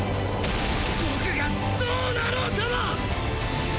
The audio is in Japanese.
僕がどうなろうとも！